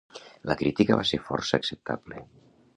La crítica va ser força acceptable.